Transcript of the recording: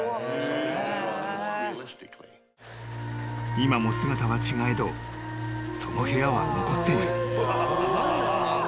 ［今も姿は違えどその部屋は残っている］